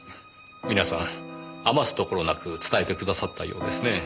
皆さん余すところなく伝えてくださったようですね。